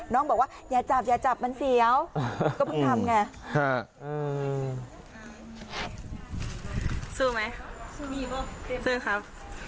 น้องบอกอย่าจับมันเสียวก็เพิ่งทำไง